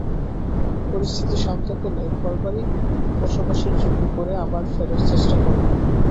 পরিস্থিতি শান্ত হলে, ঘরবাড়ি বসবাসের যোগ্য করে আবার ফেরার চেষ্টা করবেন।